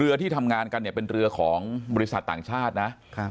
ที่ทำงานกันเนี่ยเป็นเรือของบริษัทต่างชาตินะ